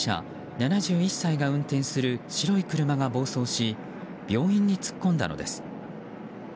７１歳が運転する白い車が暴走し病院に突っ込んだのです。